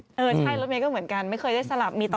ใช่แล้วแม่ก็เหมือนกันไม่เคยได้สลับ